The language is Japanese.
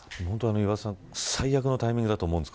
岩田さん、最悪のタイミングだと思うんです。